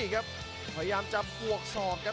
หัวจิตหัวใจแก่เกินร้อยครับ